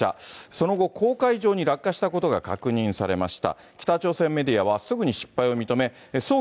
その後、黄海上に落下したことが確認されました。